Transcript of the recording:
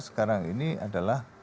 sekarang ini adalah